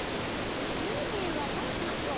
ユーミンはどうしましょう？